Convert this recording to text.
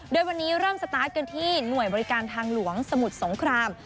โดยวันนี้เริ่มสตาร์ทกันที่หน่วยบริการทางหลวงสมุทรสงคราม